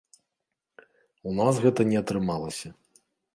У нас гэта не атрымалася.